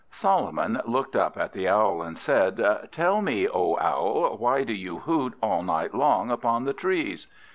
Solomon looked up at the Owl, and said "Tell me, O Owl, why do you hoot all night long upon the trees?"